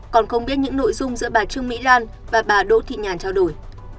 còn không biết những nội dung giữa bà trương mỹ lan và bà đỗ thị nhàn trao đổi